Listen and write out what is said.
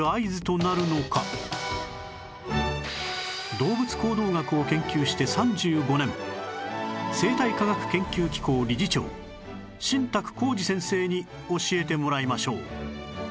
動物行動学を研究して３５年生態科学研究機構理事長新宅広二先生に教えてもらいましょう